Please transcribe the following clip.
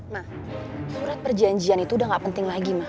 ma surat perjanjian itu udah gak penting lagi ma